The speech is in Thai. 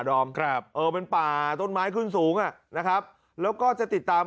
ดอมครับเออเป็นป่าต้นไม้ขึ้นสูงอ่ะนะครับแล้วก็จะติดตาม